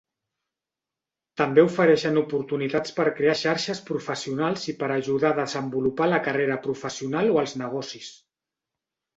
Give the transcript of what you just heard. També ofereixen oportunitats per crear xarxes professionals i per ajudar a desenvolupar la carrera professional o els negocis.